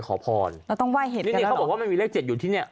เขาบอกว่ามันมีเลข๗อยู่ที่นี่